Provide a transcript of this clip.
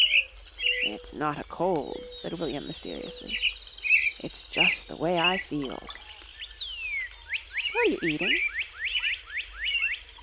'" "It's not a cold," said William mysteriously. "It's jus' the way I feel." "What are you eating?"